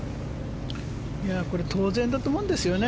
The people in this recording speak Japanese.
これ当然だと思うんですよね。